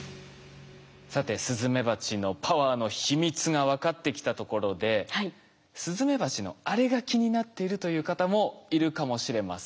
さてスズメバチのパワーの秘密が分かってきたところでスズメバチのあれが気になっているという方もいるかもしれません。